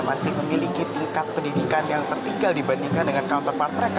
masih memiliki tingkat pendidikan yang tertinggal dibandingkan dengan counterpart mereka